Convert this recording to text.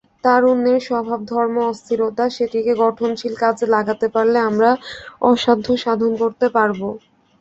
তারুণ্যের স্বভাবধর্ম অস্থিরতা—সেটিকে গঠনশীল কাজে লাগাতে পারলে আমরা অসাধ্য সাধন করতে পারব।